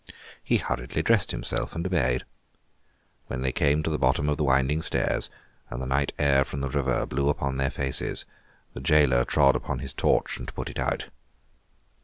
He hurriedly dressed himself and obeyed. When they came to the bottom of the winding stairs, and the night air from the river blew upon their faces, the jailer trod upon his torch and put it out.